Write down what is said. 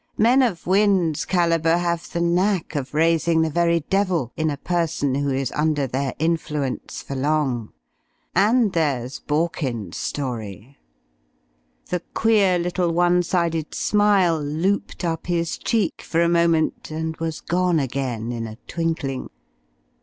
Men of Wynne's calibre have the knack of raising the very devil in a person who is under their influence for long. And there's Borkins's story." The queer little one sided smile looped up his cheek for a moment and was gone again in a twinkling.